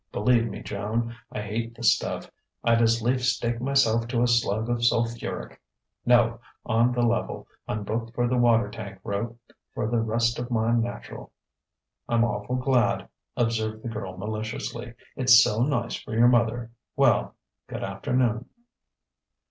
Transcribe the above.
"Believe me, Joan, I hate the stuff! I'd as lief stake myself to a slug of sulphuric. No, on the level: I'm booked for the water tank route for the rest of my natural." "I'm awful glad," observed the girl maliciously. "It's so nice for your mother. Well ... g'dafternoon!"